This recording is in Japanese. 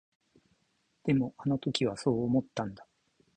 でも、あの時はそう思ったんだ。